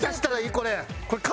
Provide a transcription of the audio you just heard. これ。